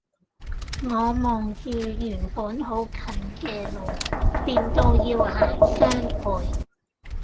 我望住原本好近嘅路變到要行雙倍